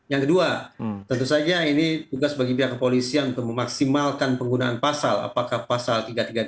yang kedua tentu saja ini tugas bagi pihak kepolisian untuk memaksimalkan penggunaan pasal apakah pasal tiga ratus tiga puluh tiga